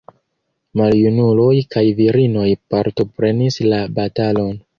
Maljunuloj kaj virinoj partoprenis la batalon.